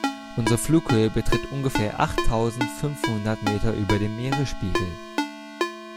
Unsere Flughöhe beträgt ungefähr achttausendfünfhundert Meter über dem Meeresspiegel.